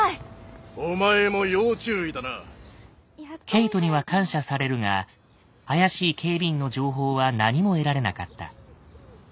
ケイトには感謝されるが怪しい警備員の情報は何も得られなかった。